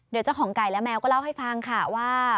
เดี๋ยวเจ้าของไก่และแมวก็เล่าให้ฟังค่ะว่า